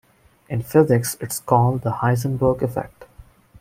In physics it's called the Heisenberg Effect.